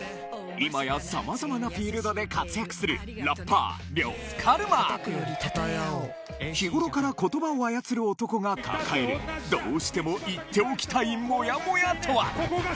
今や様々なフィールドで活躍する日頃から言葉を操る男が抱えるどうしても言っておきたいモヤモヤとは？